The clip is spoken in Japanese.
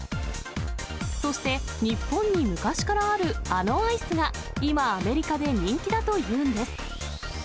そして、日本に昔からあるあのアイスが今、アメリカで人気だというんです。